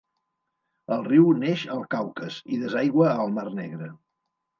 El riu neix al Caucas i desaigua al mar Negre.